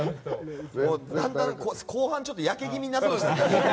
だんだん後半やけ気味になってましたね。